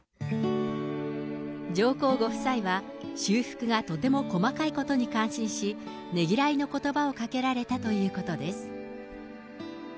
上皇ご夫妻は、修復がとても細かいことに感心し、ねぎらいのことばをかけられたということです。